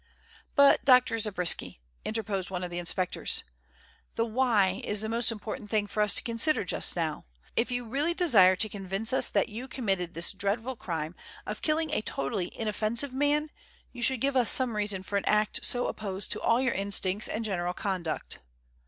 "But, Dr. Zabriskie," interposed one of the inspectors, "the why is the most important thing for us to consider just now. If you really desire to convince us that you committed this dreadful crime of killing a totally inoffensive man, you should give us some reason for an act so opposed to all your instincts and general conduct."